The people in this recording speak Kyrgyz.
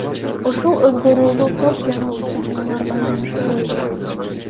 Ушул өзгөрүүгө көп жагымсыз окуялар байланыштуу.